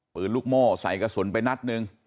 ลูกโม่ใส่กระสุนไปนัดหนึ่ง